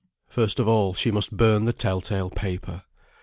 First of all she must burn the tell tale paper.